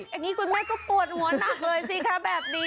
อย่างนี้คุณแม่ก็ปวดหัวหนักเลยสิคะแบบนี้